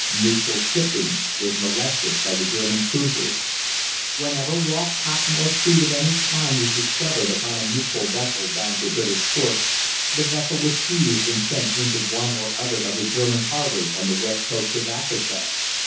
Neutral shipping was molested by the German cruisers. Whenever raw cotton or food of any kind was discovered upon a neutral vessel bound for British ports, the vessel was seized and sent into one or other of the German harbours on the West Coast of Africa.